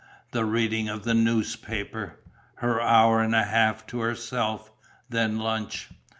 The reading of the newspaper; her hour and a half to herself; then lunch.